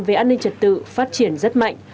về an ninh trật tự phát triển rất mạnh